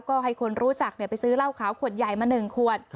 ก็ให้คนรู้จักไปซื้อเหล้าขาวขวดใหญ่มา๑ขวด